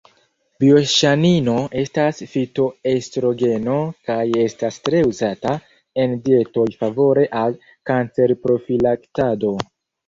Bioŝanino estas fitoestrogeno kaj estas tre uzata en dietoj favore al kancerprofilaktado.